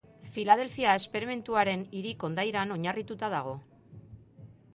Filadelfia esperimentuaren hiri kondairan oinarritua dago.